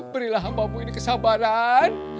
berilah hambamu ini kesabaran